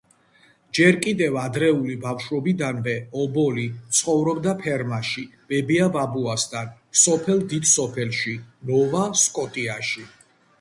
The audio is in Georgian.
ჯერ კიდევ ადრეული ბავშვობიდანვე ობოლი, ცხოვრობდა ფერმაში, ბებია-ბაბუასთნ, სოფელ „დიდ სოფელში“, ნოვა სკოტიაში.